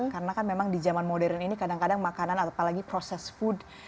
karena kan memang di zaman modern ini kadang kadang makanan apalagi proses food